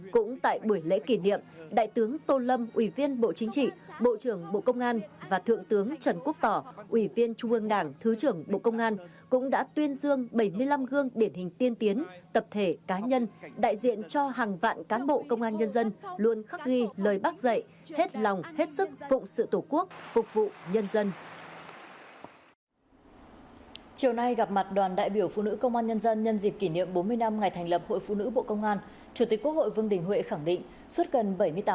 cũng tại buổi lễ kỷ niệm đại tướng tôn lâm ủy viên bộ chính trị bộ trưởng bộ công an và thượng tướng trần quốc tỏ ủy viên trung ương đảng thứ trưởng bộ công an cũng đã tuyên dương bảy mươi năm gương điển hình tiên tiến tập thể cá nhân đại diện cho hàng vạn cán bộ công an nhân dân luôn khắc ghi lời bác dạy hết lòng hết sức phụ sự tổ quốc phục vụ nhân dân